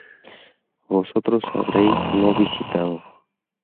Vosotros habréis no visitado